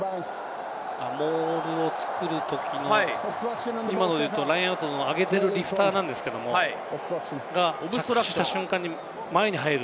モールを作るときに今ので言うとラインアウトをあげているリフターなんですけど、着地した瞬間に前に入る。